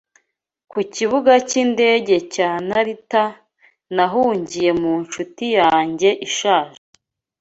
Ku Kibuga cy’indege cya Narita, nahungiye mu nshuti yanjye ishaje